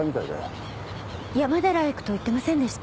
山寺へ行くと言ってませんでした？